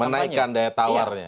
menaikan daya tawarnya